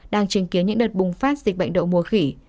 đang chứng kiến những đợt bùng phát dịch bệnh đậu mùa khỉ